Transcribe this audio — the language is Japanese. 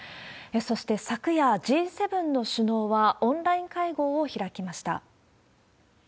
そして昨夜、Ｇ７の首脳は、オンライン会合を開きました。